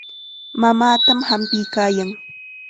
Mamaatam hampiykaayan.